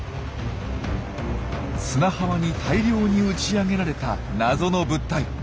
砂浜に大量に打ち上げられたナゾの物体。